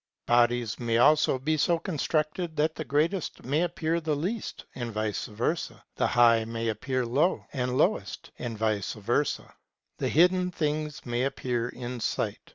Bodies may also be so constructed that the greatest may appear the least, and vice versa ; and the high may appear low and lowest, and vice versa; and hidden things may appear in sight.